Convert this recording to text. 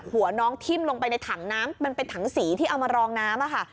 หัวน้องทิ้มลงไปในถังน้ำมันเป็นถังสีที่เอามารองน้ำค่ะ